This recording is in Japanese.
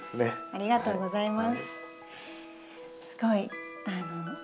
ありがとうございます。